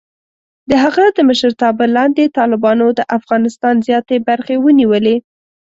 د هغه د مشرتابه لاندې، طالبانو د افغانستان زیاتې برخې ونیولې.